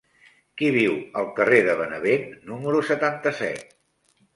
Qui viu al carrer de Benevent número setanta-set?